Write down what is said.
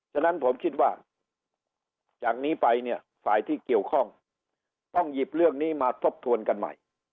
ฉะนั้นผมคิดว่าจากนี้ไปเนี่ยฝ่ายที่เกี่ยวข้องต้องหยิบเรื่องนี้มาทบทวนกันใหม่